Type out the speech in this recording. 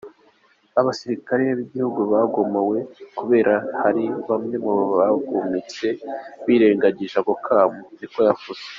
Abasirikare b'igihugu bagomowe kubera hari bamwe mu bagumutse birengagije ako kamo, niko yavuze.